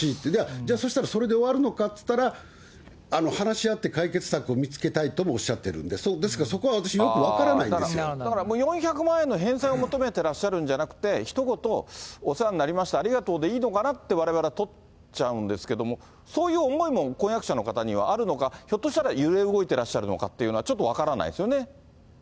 じゃあ、そしたらそれで終わるのかっていったら、話し合って解決策を見つけたいともおっしゃってるんで、ですからそこは私、よくだから、４００万円の返済を求めてらっしゃるんじゃなくて、ひと言、お世話になりました、ありがとうでいいのかなって、われわれは取っちゃうんですけども、そういう思いも婚約者の方にはあるのか、ひょっとしたら揺れ動いていらっしゃるのかっていうのは、ちょっと分からないですよね。